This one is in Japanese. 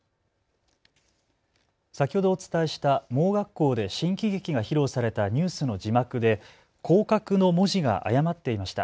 先ほどお伝えしした盲学校で新喜劇が披露されたニュースの字幕で光覚の文字が誤っていました。